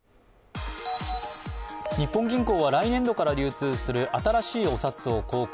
日本銀行は来年度から流通する新しいお札を公開。